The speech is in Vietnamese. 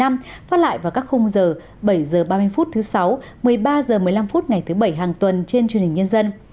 quay lại vào các khung giờ bảy h ba mươi phút thứ sáu một mươi ba h một mươi năm phút ngày thứ bảy hàng tuần trên truyền hình nhân dân